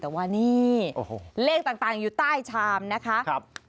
แต่ว่านี่เลขต่างอยู่ใต้ชามนะคะ